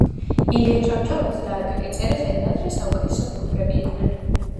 ილია ჭავჭავაძე და აკაკი წერეთელი ადრე საუკეთესო მეგობრები იყვნენ.